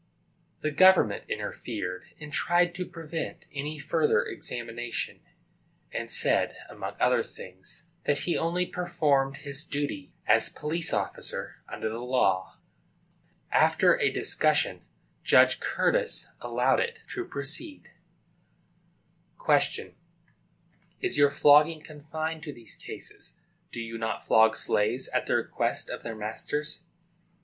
[The government interfered, and tried to prevent any further examination; and said, among other things, that he only performed his duty as police officer under the law. After a discussion, Judge Curtis allowed it to proceed.] Q. Is your flogging confined to these cases? Do you not flog slaves at the request of their masters? _A.